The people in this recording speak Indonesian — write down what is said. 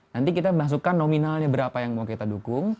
nanti kita masukkan nominalnya berapa yang mau kita dukung